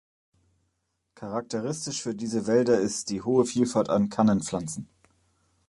Charakteristisch für diese Wälder ist die hohe Vielfalt an Kannenpflanzen.